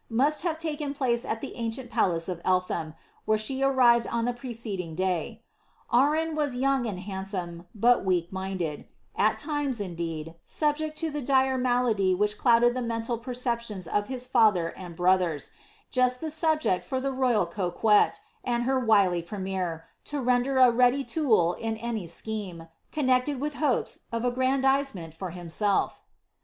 must have taken place at the ancient palace of Eltham, where she arrived on the preceding day Arran was young and handsome, but weak minded ; at times, indeed, subject to the direful malady which clouded the mental perceptions of his father and brothers, just the subject for the royal coquette, and her wily premier, to render a ready tool in any scheme, connected with hopes of aggrandizement for himself.